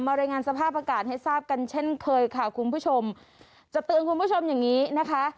รายงานสภาพอากาศให้ทราบกันเช่นเคยค่ะคุณผู้ชมจะเตือนคุณผู้ชมอย่างงี้นะคะ